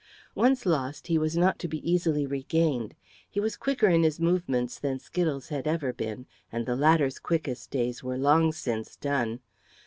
Once lost, he was not to be easily regained. He was quicker in his movements than Skittles had ever been, and the latter's quickest days were long since done.